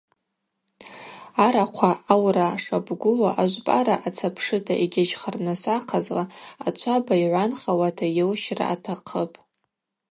Арахъва аура шабгула ажвпӏара ацапшыта йгьажьхарныс ахъазла ачваба йгӏванхауата йылщра атахъыпӏ.